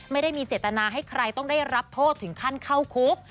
ไม่ได้มีเจตนาให้ใครต้องได้รับโทษถึงขั้นเข้าคุก